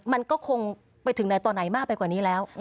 มันก็คงไปถึงไหนต่อไหนมากไปกว่านี้แล้ว